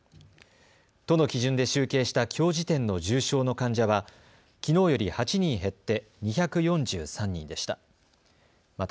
都の基準で集計したきょう時点の重症の患者はきのうより８人減って２４３人でした。